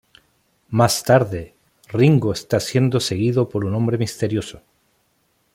Más tarde, Ringo está siendo seguido por un hombre misterioso.